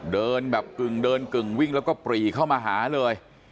เดินแบบกึ่งเดินกึ่งวิ่งแล้วก็ปรีเข้ามาหาเลย